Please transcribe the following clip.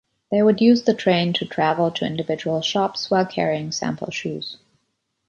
They would use the train to travel to individual shops while carrying sample shoes.